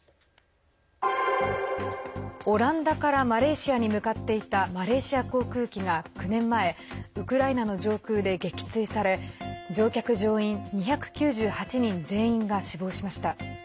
オランダからマレーシアに向かっていたマレーシア航空機が９年前ウクライナの上空で撃墜され乗客・乗員２９８人全員が死亡しました。